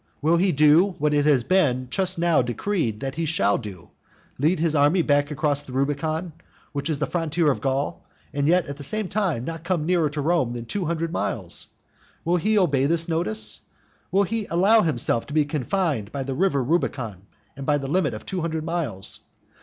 Will he do what it has been just now decreed that he shall do, lead his army back across the Rubicon, which is the frontier of Gaul, and yet at the same time not come nearer Rome than two hundred miles? will he obey this notice? will he allow himself to be confined by the river Rubicon and by the limit of two hundred miles?